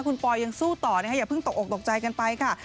คุณปอยยังสู้ต่อนะคะอย่าเพิ่งตกออกตกใจกันไปค่ะ